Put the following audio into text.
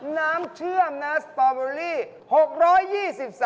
น้ำเชื่อมนะสตอเบอรี่